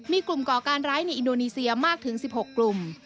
มีกลุ่มก่อการร้ายในอินโดนีเซียมากถึง๑๖กลุ่ม